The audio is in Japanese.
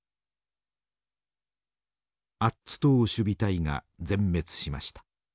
アッツ島守備隊が全滅しました。